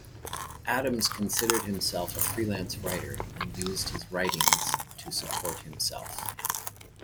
Adams considered himself a freelance writer and used his writings to support himself.